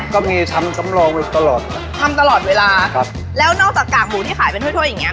ก็มีทำสำรองอยู่ตลอดทำตลอดเวลาครับแล้วนอกจากกากหมูที่ขายเป็นถ้วถ้วยอย่างเงี้